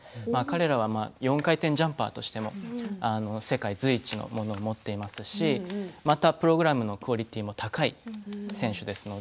彼らは４回転ジャンパーとしても世界随一のものを持っていますしプログラムもクオリティーの高い選手です。